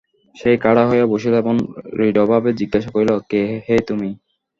সে খাড়া হইয়া বসিল এবং রূঢ়ভাবে জিজ্ঞাসা করিল, কে হে তুমি?